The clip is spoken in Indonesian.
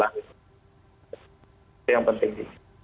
itu yang penting